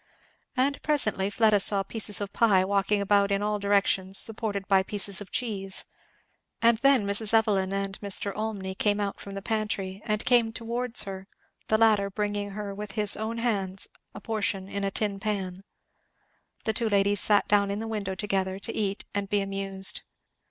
And presently Fleda saw pieces of pie walking about in all directions supported by pieces of cheese. And then Mrs. Evelyn and Mr. Olmney came out from the pantry and came towards her, the latter bringing her with his own hands a portion in a tin pan. The two ladies sat down in the window together to eat and be amused.